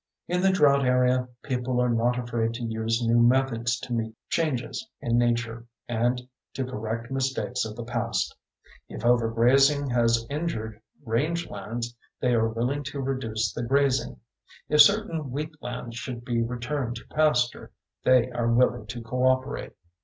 In the drought area people are not afraid to use new methods to meet changes in Nature, and to correct mistakes of the past. If overgrazing has injured range lands, they are willing to reduce the grazing. If certain wheat lands should be returned to pasture they are willing to cooperate.